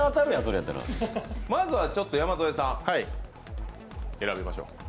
まずは山添さん選びましょう。